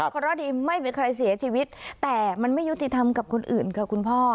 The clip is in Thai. เพราะดีไม่มีใครเสียชีวิตแต่มันไม่ยุติธรรมกับคนอื่นค่ะคุณพ่อ